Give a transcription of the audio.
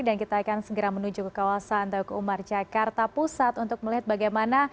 dan kita akan segera menuju ke kawasan tauku umar jakarta pusat untuk melihat bagaimana